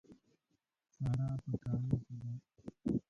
سارا په کالو کې ده.